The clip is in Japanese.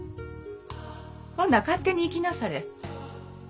ほな勝手に行きなされ。